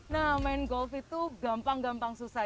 nah main golf itu gampang gampang susah